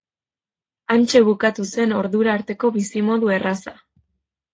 Hantxe bukatu zen ordura arteko bizimodu erraza.